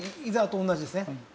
伊沢と同じですね。